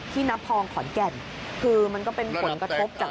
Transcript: น้ำพองขอนแก่นคือมันก็เป็นผลกระทบจาก